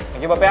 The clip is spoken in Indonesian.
gak jauh bapak